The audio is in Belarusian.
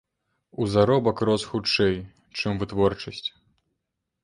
У заробак рос хутчэй, чым вытворчасць.